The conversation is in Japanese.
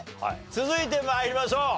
続いて参りましょう。